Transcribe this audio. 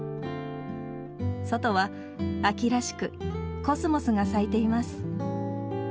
外は秋らしくコスモスが咲いています。